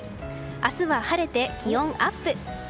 明日は晴れて気温アップ。